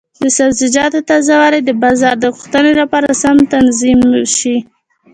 د سبزیجاتو تازه والي د بازار د غوښتنې سره سم تنظیم شي.